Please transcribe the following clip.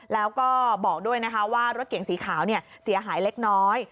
แล้วก็บอกด้วยนะคะว่ารถเก่งสีขาวเสียหายเล็กน้อย